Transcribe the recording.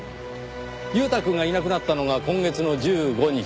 悠太くんがいなくなったのが今月の１５日。